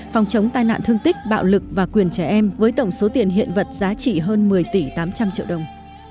phòng chống tai nạn thương tích bạo lực và quyền trẻ em với tổng số tiền hiện vật giá trị hơn một mươi tỷ tám trăm linh triệu đồng